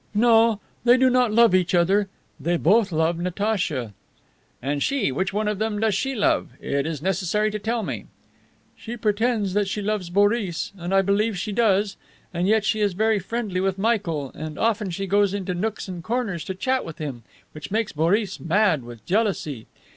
"No, they do not love each other. They both love Natacha." "And she, which one of them does she love? It is necessary to tell me." "She pretends that she loves Boris, and I believe she does, and yet she is very friendly with Michael and often she goes into nooks and corners to chat with him, which makes Boris mad with jealousy.